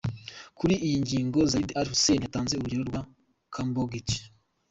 Kuri iyi ngingo, Zeid al Hussein yatanze urugero rwa Cambodge.